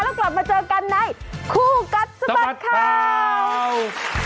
แล้วกลับมาเจอกันในคู่กัดสะบัดข่าว